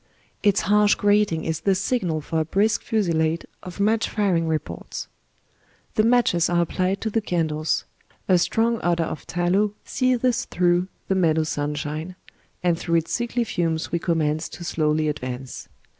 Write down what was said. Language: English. Its harsh grating is the signal for a brisk fusillade of match firing reports. Tie matches are applied to the candles ; a strong odour of tallow seethes through the meUow sunshine, and through its sickly fumes we commence to slowly advance.